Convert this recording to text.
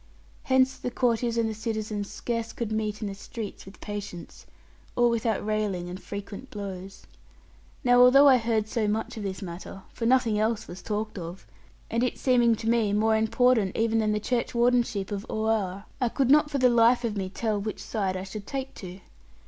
Hence the courtiers and the citizens scarce could meet in the streets with patience, or without railing and frequent blows. Now although I heard so much of this matter, for nothing else was talked of, and it seeming to me more important even than the churchwardenship of Oare, I could not for the life of me tell which side I should take to.